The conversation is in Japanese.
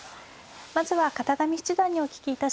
まずは片上七段にお聞きいたします。